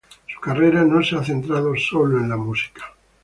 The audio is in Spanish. Su carrera no se ha centrado solo en la música.